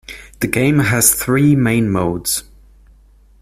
The game has three main modes.